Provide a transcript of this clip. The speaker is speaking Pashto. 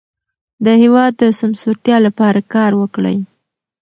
د هېواد د سمسورتیا لپاره کار وکړئ.